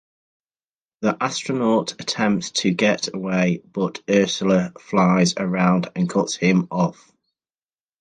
The astronaut attempts to get away, but Ursa flies around and cuts him off.